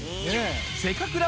「せかくら」